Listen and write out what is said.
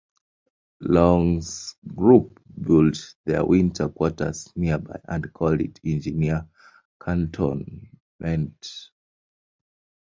Long's group built their winter quarters nearby and called it Engineer Cantonment.